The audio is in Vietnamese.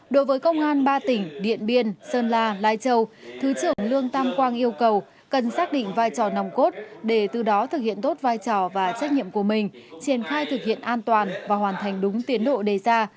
đối với công an ba tỉnh điện biên sơn la lai châu thứ trưởng lương tam quang yêu cầu cần xác định vai trò nòng cốt để từ đó thực hiện tốt vai trò và trách nhiệm của mình triển khai thực hiện an toàn và hoàn thành đúng tiến độ đề ra